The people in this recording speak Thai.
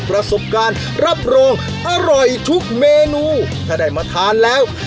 ประสบการณ์รับรองอร่อยทุกเมนูถ้าได้มาทานแล้ว